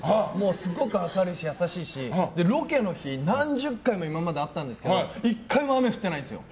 すごく明るいし優しいしロケの日、何十回も今まであったんですけど１回も雨降ってないんですよ。